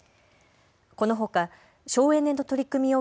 このほか省エネの取り組みを